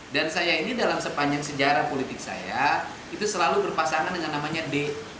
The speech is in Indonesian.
dan saya ini dalam sepanjang sejarah politik saya itu selalu berpasangan dengan namanya d